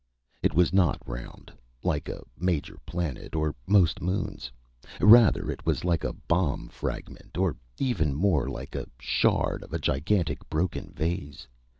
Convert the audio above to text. It was not round, like a major planet or most moons. Rather, it was like a bomb fragment; or even more like a shard of a gigantic broken vase.